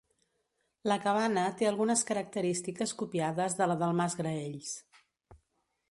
La cabana té algunes característiques copiades de la del mas Graells.